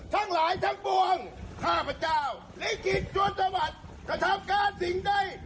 ทั้งหลายทั้งปวงข้าพเจ้าลิขิตจนสวัสดิ์กระทำการสิ่งใด